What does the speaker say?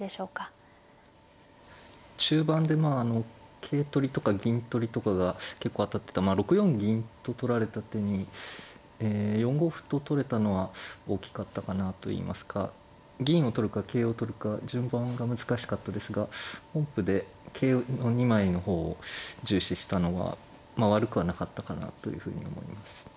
中盤でまあ桂取りとか銀取りとかが結構当たってたまあ６四銀と取られた手にえ４五歩と取れたのは大きかったかなといいますか銀を取るか桂を取るか順番が難しかったですが本譜で桂２枚の方を重視したのがまあ悪くはなかったかなというふうに思います。